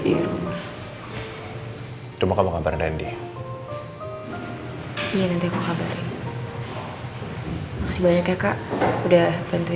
bisa menyingkirkan dendam itu